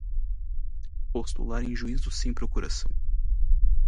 postular em juízo sem procuração